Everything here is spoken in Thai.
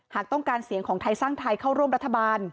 หากต้องการเสียงของไทยสร้างไทยเข้าร่วมรัฐบาล